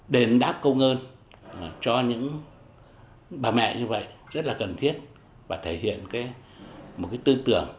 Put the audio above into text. đền đáp công ơn cho những bà mẹ như vậy rất là cần thiết và thể hiện một tư tưởng